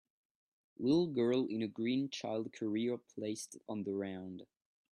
Little girl in a green child carrier placed on the round